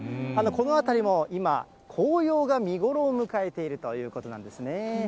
この辺りも今、紅葉が見頃を迎えているということなんですね。